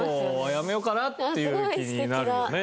やめようかなっていう気になるよね。